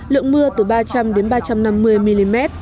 lượng mưa từ ba trăm linh đến ba trăm năm mươi mm